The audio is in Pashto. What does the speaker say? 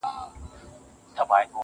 دښایستونو خدایه اور ته به مي سم نیسې.